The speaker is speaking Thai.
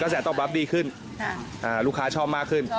แสตอบรับดีขึ้นลูกค้าชอบมากขึ้น